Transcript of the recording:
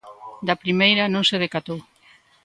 Da primeira non se decatou.